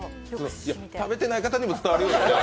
食べてない方にも伝わるように。